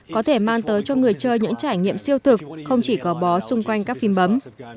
có thể mang tới cho người chơi những trải nghiệm siêu thực không chỉ có bó xung quanh các phim bấm